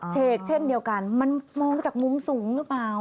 เชกเช่นเดียวกันมันมองจากมุมสูงหรือเปล่า